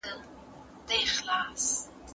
میړاني نه خاوري کېږي